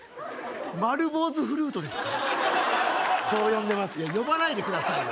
丸坊主フルートですかそう呼んでますいや呼ばないでくださいよ